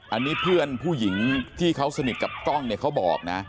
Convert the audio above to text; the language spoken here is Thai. อันนี้เพื่อนผู้หญิงที่เขาสนิทกับกล้องเนี่ยเขาบอกนะ